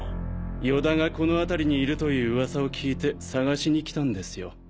与田がこの辺りにいるという噂を聞いて捜しに来たんですよ。